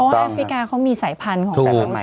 พอแอฟริกาเขามีสายพันธุ์ของเชิกดำไหน